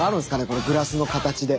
このグラスの形で。